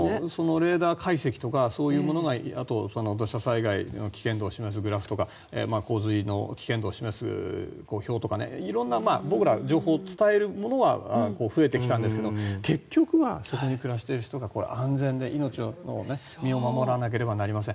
レーダー解析とかそういうものがあと土砂災害の危険度を示すグラフとか洪水の危険度を示す表とか色んな僕ら、情報を伝えるものは増えてきたんですけど結局はそこに暮らしている人が安全に命の身を守らなければなりません。